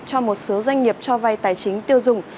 cho một số doanh nghiệp cho vay tài chính tiêu dùng